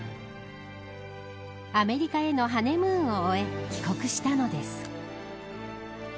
アメリカへのハネムーンを終え帰国したのです。